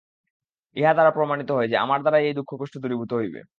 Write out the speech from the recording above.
ইহা দ্বারা প্রমাণিত হয় যে, আমার দ্বারাই এই দুঃখকষ্ট দূরীভূত হইবে।